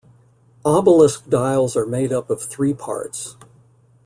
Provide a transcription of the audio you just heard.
Obelisk dials are made up of three parts.